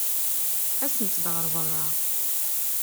Asemt-d ɣer beṛṛa.